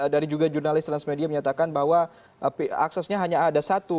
dari juga jurnalis transmedia menyatakan bahwa aksesnya hanya ada satu